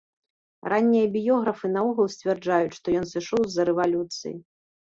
Раннія біёграфы наогул сцвярджаюць, што ён сышоў з-за рэвалюцыі.